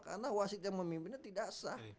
karena wasit yang memimpinnya tidak sah